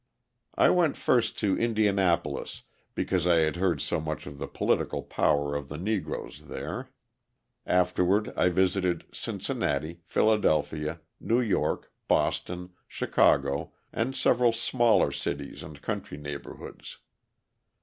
I went first to Indianapolis because I had heard so much of the political power of the Negroes there; afterward I visited Cincinnati, Philadelphia, New York, Boston, Chicago and several smaller cities and country neighbourhoods.